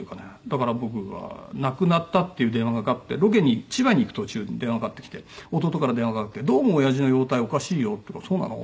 だから僕は亡くなったっていう電話がかかってロケに千葉に行く途中に電話がかかってきて弟から電話があって「どうもおやじの容体おかしいよ」って言うから「そうなの？」